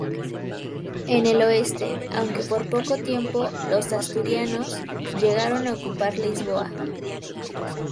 En el oeste, aunque por poco tiempo, los asturianos llegaron a ocupar Lisboa.